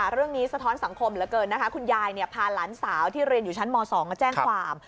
เรื่องนี้สะท้อนสังคมเหลือเกินคุณยายพาหลานสาวที่เรียนอยู่ชั้นม๒แจ้งความ